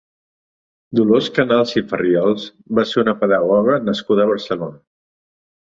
Dolors Canals i Farriols va ser una pedagoga nascuda a Barcelona.